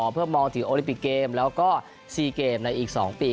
เพื่อมองถึงโอลิปิกเกมแล้วก็๔เกมในอีก๒ปี